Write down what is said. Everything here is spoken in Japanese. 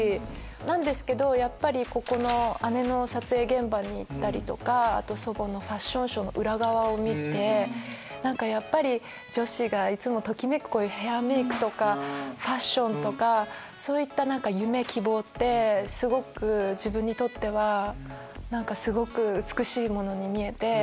ですけど姉の撮影現場に行ったりとか祖母のファッションショーの裏側を見てやっぱり女子がいつもときめくヘアメイクとかファッションとかそういった夢希望って自分にとってはすごく美しいものに見えて。